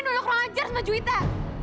n masih kurang ajar sama juwita